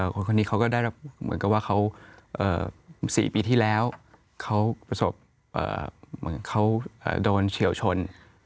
คนนี้เขาก็ได้รับเหมือนกับว่าเขา๔ปีที่แล้วเขาประสบเหมือนเขาโดนเฉียวชน